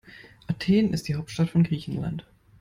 Athen ist die Hauptstadt von Griechenland.